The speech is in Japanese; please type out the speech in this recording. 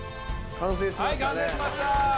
完成しました！